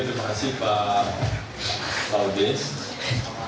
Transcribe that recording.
terima kasih pak laudem